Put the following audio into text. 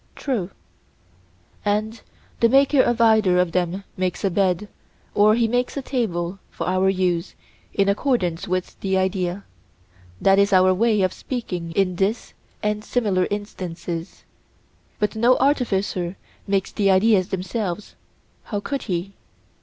True. And the maker of either of them makes a bed or he makes a table for our use, in accordance with the idea—that is our way of speaking in this and similar instances—but no artificer makes the ideas themselves: how could he?